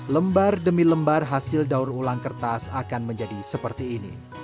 lembar demi lembar hasil daur ulang kertas akan menjadi seperti ini